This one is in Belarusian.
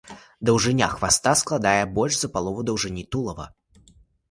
Даўжыня хваста складае больш за палову даўжыні тулава.